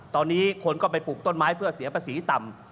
ตอนนี้คนก็ไปปลูกต้นไม้เพื่อเสียภาษีต่ำ